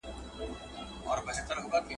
مهاراجا او د هغه په اولادونو پوري اړه لري.